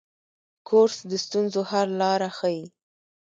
کورس د ستونزو حل لاره ښيي.